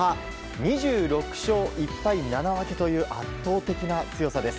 ２６勝１敗７分けという圧倒的な強さです。